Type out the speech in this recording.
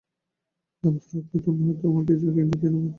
দেবতার অক্ষয় তূণ ওর হাতে আছে, কিন্তু তূণের মধ্যে দানবের অস্ত্র।